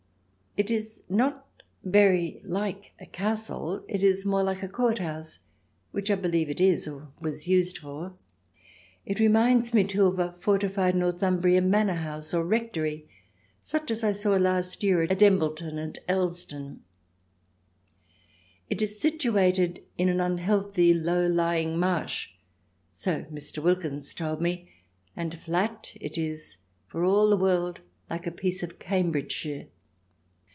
It is not very like a castle ; it is more like a court house, which, I believe, it is or was used for. It reminds me, too, of a fortified Northumbrian manor house or rectory such as I saw last year at Embleton and Elsdon. It is situated in an unhealthy, low lying marsh — so Mr. Wilkins told me — and flat it is, for all the world like a piece of Cambridgeshire.